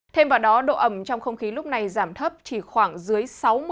thêm vào đó độ ẩm trong không khí lúc này giảm thấp chỉ khoảng dưới sáu mươi